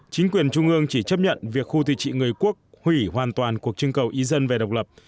chính quyền trung ương chỉ chấp nhận việc khu tự trị người quốc hủy hoàn toàn cuộc trưng cầu ý dân về độc lập